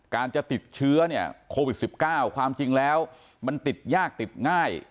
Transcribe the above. จะติดเชื้อเนี่ยโควิด๑๙ความจริงแล้วมันติดยากติดง่าย